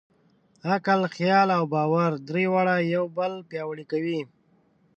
عقل، خیال او باور؛ درې واړه یو بل پیاوړي کوي.